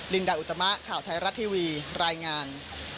ดาอุตมะข่าวไทยรัฐทีวีรายงาน